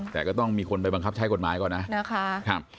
แต่ก็ต้องมีคนไปบังคับใช้กฎหมายก่อนนะนะคะ